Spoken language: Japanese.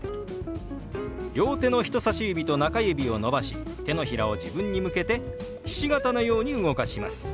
両手の人さし指と中指を伸ばし手のひらを自分に向けてひし形のように動かします。